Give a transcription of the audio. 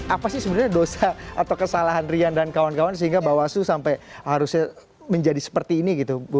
apa sih sebenarnya dosa atau kesalahan rian dan kawan kawan sehingga bawaslu sampai harusnya menjadi seperti ini gitu